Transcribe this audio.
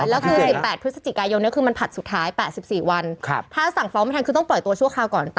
มันควรจะต้องทันนะคะไม่คัดแรกไม่คัดแล้วนี่คือผัดที่เจ็ดแล้วค่ะ